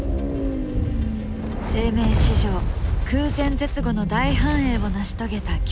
生命史上空前絶後の大繁栄を成し遂げた恐竜たち。